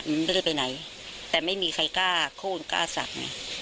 มันไม่ได้ไปไหนแต่ไม่มีใครกล้าโค้นกล้าสักไง